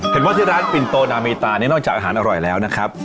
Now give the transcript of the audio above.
เห็นว่าที่ร้านปินโตนาเมตานี่นอกจากอาหารอร่อยแล้วนะครับ